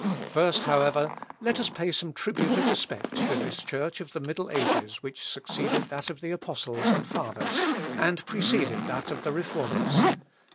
First, however, let us pay some tribute of respect to this Church of the middle ages which succeeded that of the Apostles and Fathers, and preceded that of the Reformers.